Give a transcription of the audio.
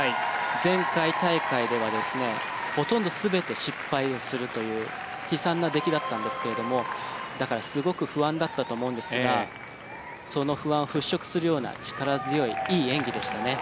前回大会ではほとんど全て失敗をするという悲惨な出来だったんですがだからすごく不安だったと思うんですがその不安を払しょくするような力強いいい演技でしたね。